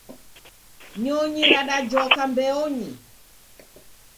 Nyonyi radajoka mbeonyi.